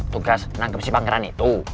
tugas menangkap si pangeran itu